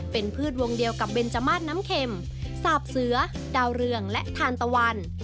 เป็นพืชวงเดียวกับเบนจมาสน้ำเข็มสาบเสือดาวเรืองและทานตะวัน